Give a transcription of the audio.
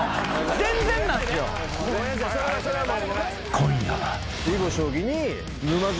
［今夜は］